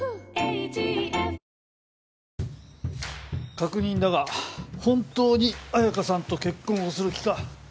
確認だが本当に綾華さんと結婚をする気か？